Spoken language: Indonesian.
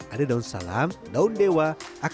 ada daun salam daun bawang dan daun bawang